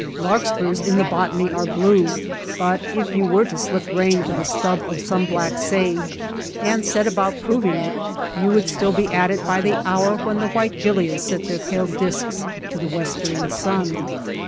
Larkspurs in the botany are blue, but if you were to slip rein to the stub of 145 THE MESA TRAIL some black sage and set about proving it you would be still at it by the hour when the white gilias set their pale disks to the westering sun.